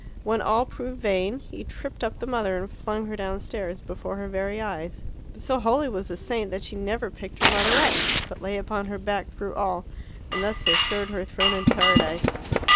When all proved vain he tripped up the mother and flung her downstairs before her very eyes. But so holy was the saint that she never picked her mother up, but lay upon her back through all, and thus assured her throne in Paradise.